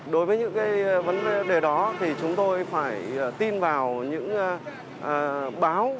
đối với những vấn đề đó chúng tôi phải tin vào những báo